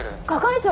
係長！？